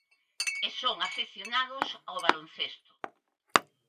E son afeccionados ao baloncesto.